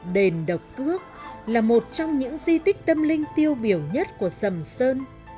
đền độc cước là một trong những di tích tâm linh tiêu biểu nhất của sầm sơn